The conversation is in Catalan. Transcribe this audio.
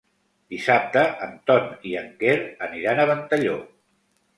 Dissabte en Ton i en Quer aniran a Ventalló.